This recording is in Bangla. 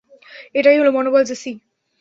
এটাই হলো মনোবল, জেসি!